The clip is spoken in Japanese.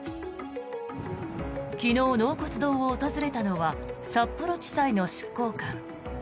昨日、納骨堂を訪れたのは札幌地裁の執行官。